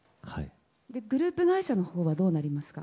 グループ会社のほうはどうなりますか？